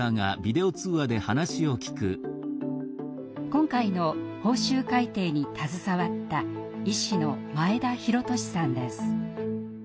今回の報酬改定に携わった医師の前田浩利さんです。